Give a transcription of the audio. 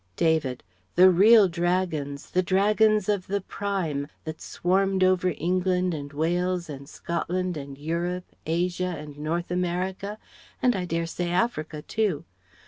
David: "The real Dragons, the Dragons of the prime, that swarmed over England and Wales and Scotland, and Europe, Asia, and North America and I dare say Africa too.